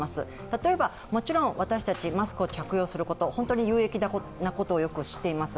例えばもちろん私たちマスクを着用すること、本当に有益なことを知っています。